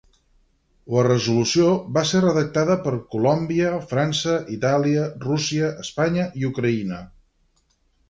La resolució va ser redactada per Colòmbia, França, Itàlia, Rússia, Espanya i Ucraïna.